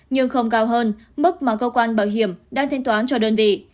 nhưng không cao hơn mức mà cơ quan bảo hiểm đang thanh toán cho đơn vị